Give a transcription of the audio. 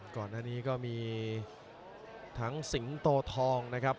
ก่อนหน้านี่ก็มีทางสิงตอทองครับ